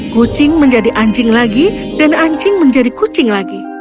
kucing menjadi anjing lagi dan anjing menjadi kucing lagi